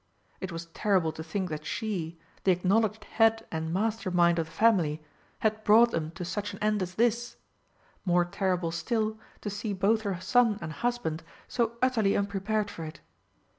It was terrible to think that she, the acknowledged head and master mind of the family, had brought them to such an end as this more terrible still to see both her son and husband so utterly unprepared for it.